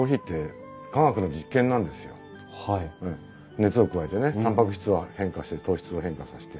熱を加えてねたんぱく質を変化させて糖質を変化させて。